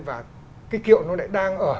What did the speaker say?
và cái kiệu nó lại đang ở